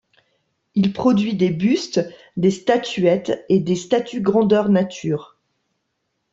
Il produit des bustes, des statuettes, et des statues grandeur nature.